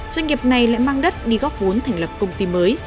doanh nghiệp này lại mang đất đi góp vốn thành lập công ty mới